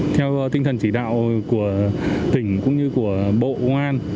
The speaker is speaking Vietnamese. theo tinh thần chỉ đạo của tỉnh cũng như của bộ công an